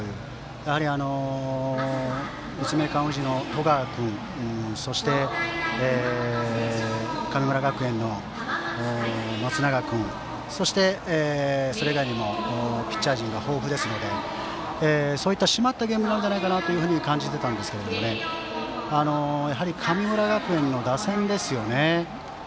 やはり、立命館宇治の十川君そして、神村学園の松永君そして、それ以外にもピッチャー陣が豊富なのでそういった締まったゲームになるんじゃないかなと感じていたんですけどもやはり神村学園の打線ですよね。